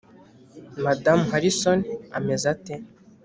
madamu harrison ameze ate?